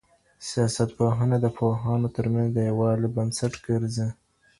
سياست پوهنه د پوهانو ترمنځ د يووالي بنسټ ګرځي.